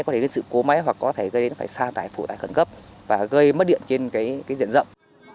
có thể gây đến sự cố máy hoặc có thể gây đến phải sa tải phụ tải khẩn cấp và gây mất điện trên cái diện rộng